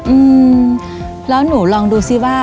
อืมแล้วหนูลองดูซิว่า